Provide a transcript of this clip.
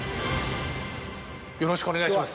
よろしくお願いします。